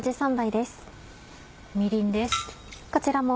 みりんです。